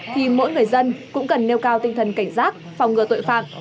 thì mỗi người dân cũng cần nêu cao tinh thần cảnh giác phòng ngừa tội phạm